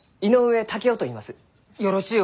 よろしゅう